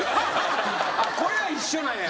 これは一緒なんや。